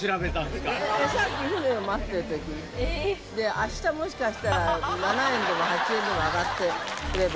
明日もしかしたら７円でも８円でも上がって売れば。